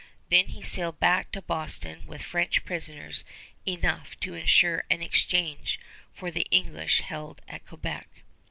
Then he sailed back to Boston with French prisoners enough to insure an exchange for the English held at Quebec.